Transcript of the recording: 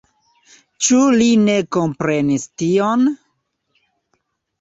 Ĉu li ne komprenis tion?